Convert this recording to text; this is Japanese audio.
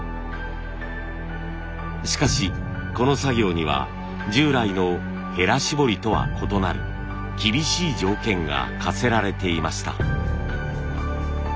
しかしこの作業には従来のヘラ絞りとは異なる厳しい条件が課せられていました。